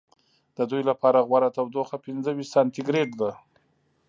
د دوی لپاره غوره تودوخه پنځه ویشت سانتي ګرېد ده.